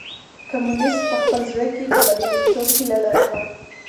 کمونيسټ په خپل زړه کې د برياليتوب هيله لرله.